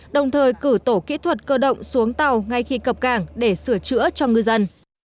đồng thời cử tổ kỹ thuật cơ động xuống tàu ngay khi cập cảng để sửa chữa cho ngư dân